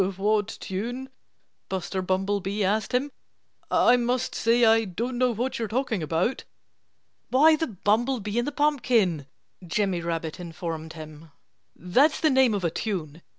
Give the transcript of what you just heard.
"What tune?" Buster Bumblebee asked him. "I must say I don't know what you're talking about." "Why, The Bumblebee in the Pumpkin!" Jimmy Rabbit informed him. "That's the name of a tune.